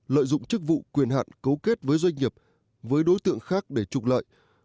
lợi dụng chức vụ quyền hạn cấu kết với doanh nghiệp với đối tượng khác để trục lợi